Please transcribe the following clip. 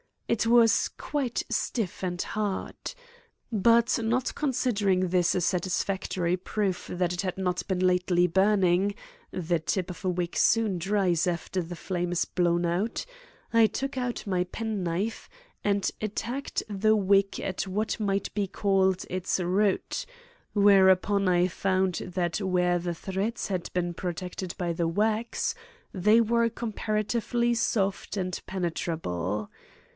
It was quite stiff and hard. But not considering this a satisfactory proof that it had not been lately burning—the tip of a wick soon dries after the flame is blown out—I took out my penknife and attacked the wick at what might be called its root; whereupon I found that where the threads had been protected by the wax they were comparatively soft and penetrable.